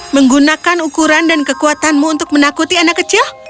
menggunakan ukuran dan kekuatanmu untuk menakuti anak kecil